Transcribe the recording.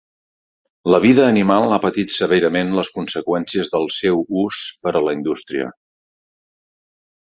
La vida animal ha patit severament les conseqüències del seu ús per la indústria.